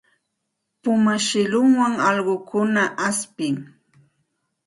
Puma shillunwan allquta ashpin.